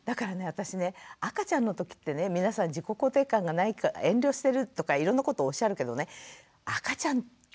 私ね赤ちゃんの時ってね皆さん自己肯定感がないから遠慮してるとかいろんなことおっしゃるけどねだって